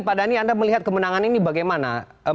pak dhani anda melihat kemenangan ini bagaimana